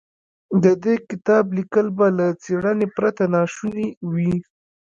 د دې کتاب ليکل به له څېړنې پرته ناشوني و.